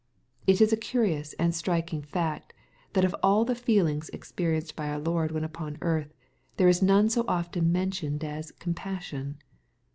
It is a curious and striking fact that of all the feelings experienced by our Lord when upon earth, there is none BO often mentioned as ," compassion."